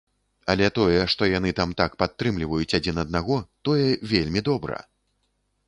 Але тое, што яны там так падтрымліваюць адзін аднаго, тое вельмі добра.